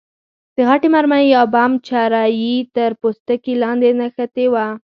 د غټې مرمۍ یا بم چره یې تر پوستکي لاندې نښتې وه.